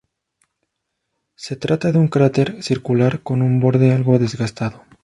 Se trata de un cráter circular con un borde algo desgastado.